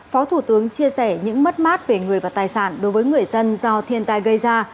phó thủ tướng chia sẻ những mất mát về người và tài sản đối với người dân do thiên tai gây ra